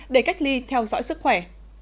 để cách ly theo dõi sức khỏe